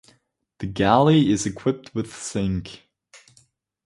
The galley is equipped with sink.